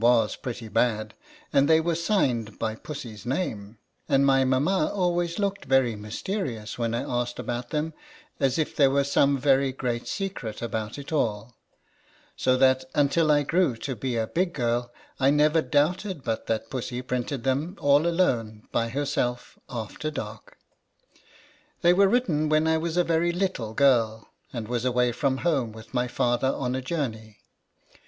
was pretty bad, and they were signed by Pussy's name ; and my mamma always looked very mysterious when I asked about them, as if there were some very great secret about it all ; so that until I grew to be a big girl, I never doubted but that Pussy printed them all alone by herself, after dark. They were written when I was a very little girl, and was away from home with my father on a journey.